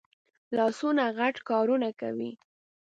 لاسونه غټ کارونه کوي